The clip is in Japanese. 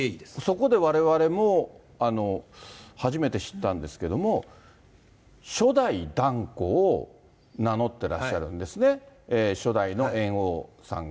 そこでわれわれも、初めて知ったんですけども、初代團子を名乗ってらっしゃるんですね、初代の猿翁さんが。